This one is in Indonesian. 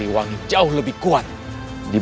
bahwa aku bukan awal